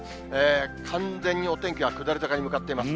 完全にお天気が下り坂に向かってます。